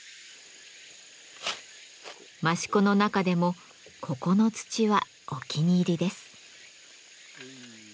益子の中でもここの土はお気に入りです。